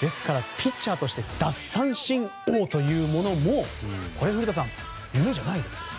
ですから、ピッチャーとして奪三振王というものもこれは古田さん夢じゃないですね。